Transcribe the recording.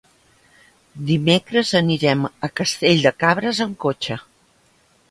Dimecres anirem a Castell de Cabres amb cotxe.